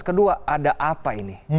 kedua ada apa ini